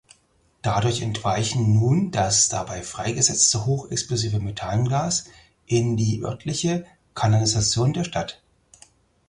Dadurch entweichen nun das dabei freigesetzte hochexplosive Methangas in die örtliche Kanalisation der Stadt.